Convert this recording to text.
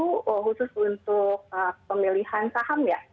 nah diversifikasinya itu khusus untuk pemilihan saham ya